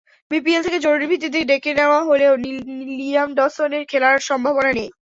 BPL থেকে জরুরি ভিত্তিতে ডেকে নেওয়া হলেও লিয়াম ডসনের খেলার সম্ভাবনা নেই।